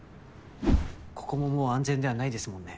ここももう安全ではないですもんね。